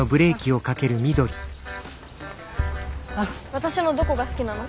私のどこが好きなの？